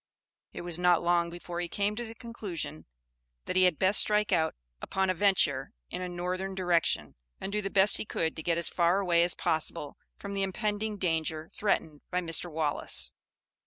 It was not long before he came to the conclusion that he had best strike out upon a venture in a Northern direction, and do the best he could to get as far away as possible from the impending danger threatened by Mr. Wallace.